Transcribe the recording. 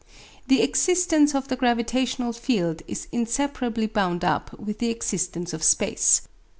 The existence of the gravitational field is inseparably bound up with the existence of space.